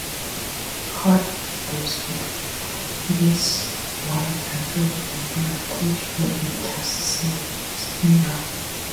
Hartman lives with is wife, Andrea, and their three children in Catskill, New York.